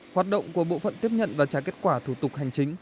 hoạt động của bộ phận tiếp nhận và trả kết quả thủ tục hành chính